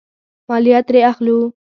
مالیه ترې اخلو.